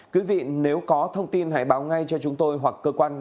quý vị nếu có thông tin hãy báo ngay cho chúng tôi hoặc cơ quan